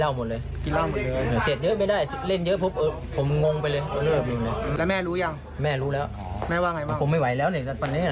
เฮ้ยเดี๋ยวแต่ว่า